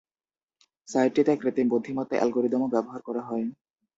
সাইটটিতে কৃত্রিম বুদ্ধিমত্তা অ্যালগরিদমও ব্যবহার করা হয়।